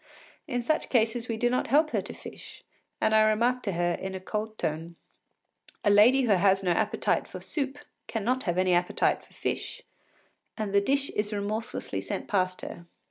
In such cases we do not help her to fish, and I remark to her, in a cold tone, “A lady who has no appetite for soup cannot have any appetite for fish,” and the dish is remorselessly sent past her.